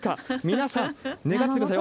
皆さん、願ってくださいよ。